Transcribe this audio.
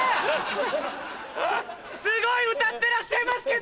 すごい歌ってらっしゃいますけど。